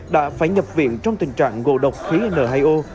đã phải nhập viện trong tình trạng ngộ độc khí n hai o